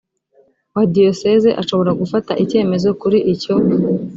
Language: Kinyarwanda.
wa diyosezi ashobora gufata icyemezo kuri icyo